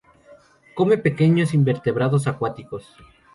Come pequeños invertebrados acuáticos.